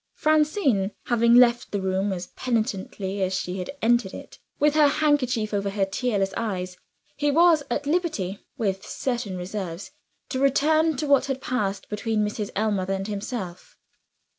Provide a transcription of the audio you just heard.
Francine having left the room, as penitently as she had entered it (with her handkerchief over her tearless eyes), he was at liberty, with certain reserves, to return to what had passed between Mrs. Ellmother and himself.